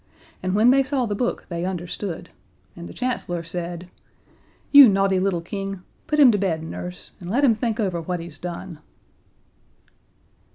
And when they saw the book they understood, and the Chancellor said: "You naughty little King! Put him to bed, Nurse, and let him think over what he's done."